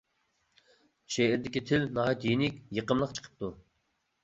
شېئىردىكى تىل ناھايىتى يېنىك، يېقىملىق چىقىپتۇ.